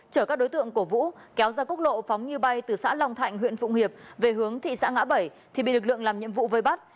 chở các đối tượng cổ vũ kéo ra quốc lộ phóng như bay từ xã long thạnh huyện phụng hiệp về hướng thị xã ngã bảy thì bị lực lượng làm nhiệm vụ vây bắt